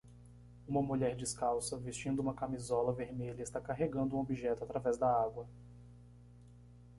Uma mulher descalça, vestindo uma camisola vermelha está carregando um objeto através da água